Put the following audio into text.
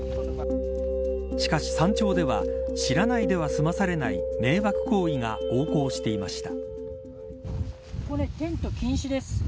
しかし、山頂では知らないでは済まされない迷惑行為が横行していました。